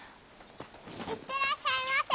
行ってらっしゃいませ！